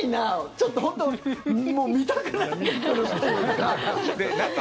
ちょっと本当見たくなってきた。